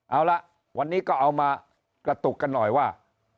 เอาละวันนี้ก็เอามากระตุกกันหน่อยว่า